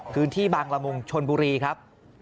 พื้นที่บางละมุงชนบุรีครับ